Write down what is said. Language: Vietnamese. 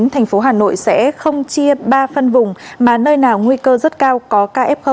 thành phố hà nội sẽ không chia ba phân vùng mà nơi nào nguy cơ rất cao có kf